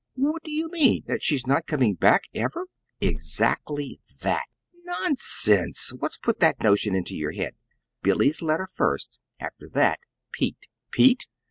What do you mean? that she's not coming back ever?" "Exactly that." "Nonsense! What's put that notion into your head?" "Billy's letter first; after that, Pete." "Pete!"